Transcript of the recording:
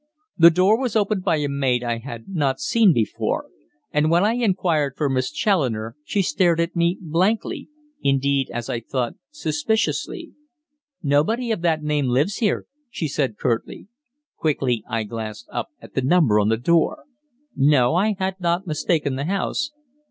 The door was opened by a maid I had not seen before, and when I inquired for Miss Challoner she stared at me blankly indeed, as I thought, suspiciously. "Nobody of that name lives here," she said curtly. Quickly I glanced up at the number on the door. No, I had not mistaken the house.